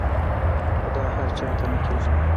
خو دا هر چاته نۀ کيږي -